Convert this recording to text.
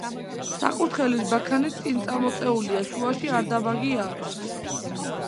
საკურთხევლის ბაქანი წინწამოწეულია, შუაში არდაბაგი აქვს.